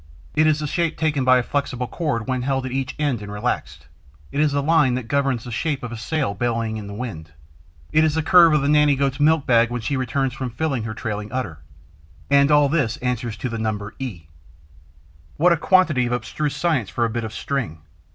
It is the shape taken by a flexible cord when held at each end and relaxed; it is the line that governs the shape of a sail bellying in the wind; it is the curve of the nanny goat's milk bag when she returns from filling her trailing udder. And all this answers to the number e. What a quantity of abstruse science for a bit of string!